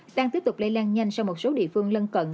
đang tiếp tục lây lan nhanh sang một số địa phương lân cận